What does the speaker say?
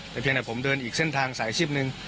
แต่เพียงแต่ผมเดินอีกเส้นทางสายอาชีพหนึ่ง